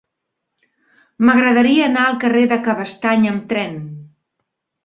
M'agradaria anar al carrer de Cabestany amb tren.